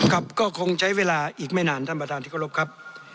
ครับก็คงใช้เวลาอีกไม่นานท่านประธานที่เคารพครับ